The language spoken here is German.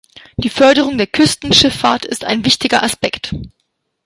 Die Förderung der Küstenschifffahrt ist ein wichtiger Aspekt.